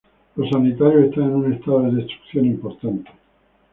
Los sanitarios están en un estado de destrucción importante.